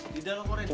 tidak kok ini